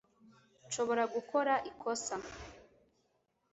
Nshobora gukora ikosa